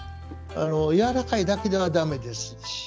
やわらかいだけでは駄目ですし。